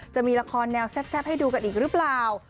จะมีละครแซ่บให้ดูกันของเข้ากันรึเปล่า